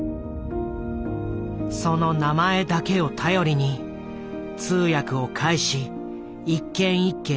その名前だけを頼りに通訳を介し一件一件